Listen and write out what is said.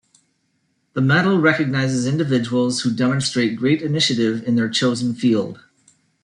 The medal recognizes individuals who demonstrate great initiative in their chosen field.